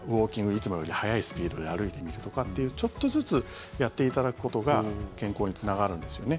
いつもより速いスピードで歩いてみるとかっていうちょっとずつやっていただくことが健康につながるんですよね。